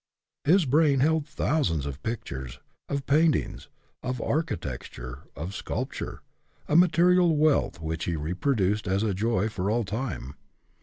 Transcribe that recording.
His brain held thousands of pictures of paintings, of architecture, of sculpture, a wealth of material which he re produced as a joy for all time.